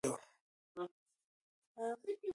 د غواګانو ناروغي سږکال ډېره وه.